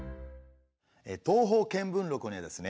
「東方見聞録」にはですね